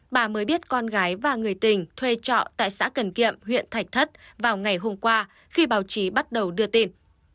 bà mới biết con gái và người tình thuê trọ tại xã cần kiệm huyện thạch thất vào ngày hôm qua khi báo chí bắt đầu đưa tin